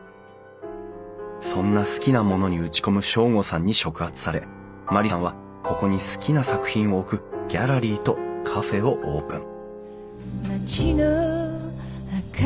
そんな好きなものに打ち込む省吾さんに触発され万里さんはここに好きな作品を置くギャラリーとカフェをオープン